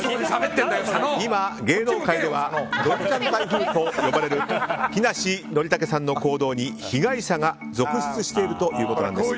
今、芸能界ではノリちゃん台風と呼ばれる木梨憲武さんの行動に被害者が続出しているということです。